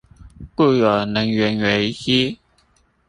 故有能源危機